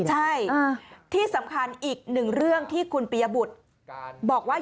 ใช่ที่สำคัญอีกหนึ่งเรื่องที่คุณปียบุตรบอกว่า